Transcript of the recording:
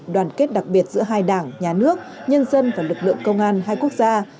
đoàn kết đặc biệt giữa hai đảng nhà nước nhân dân và lực lượng công an hai quốc gia